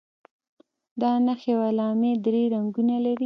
دا نښې او علامې درې رنګونه لري.